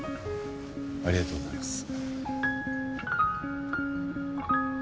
ありがとうございます。